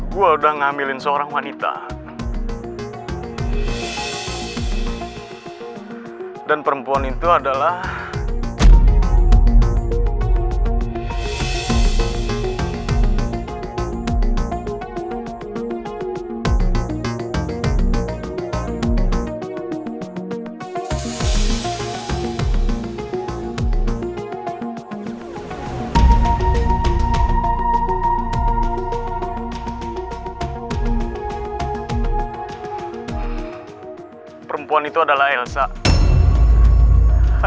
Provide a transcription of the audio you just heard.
semoga beruntung dan semoga berjaya